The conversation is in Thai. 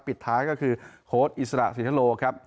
ปิดท้ายก็คือโค้ดอิสระสินทโลครับ